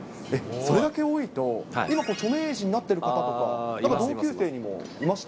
それだけ多いと、今、著名人になっている方とか、同級生にもいました？